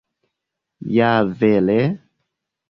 Ja vere?